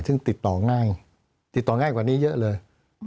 ซึ่งติดต่อง่ายกว่านี้เยอะเลย